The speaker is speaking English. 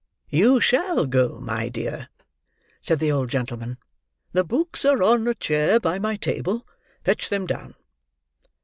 "You shall go, my dear," said the old gentleman. "The books are on a chair by my table. Fetch them down."